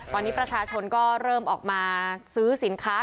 ตอนนี้ประชาชนก็เริ่มออกมาซื้อสินค้า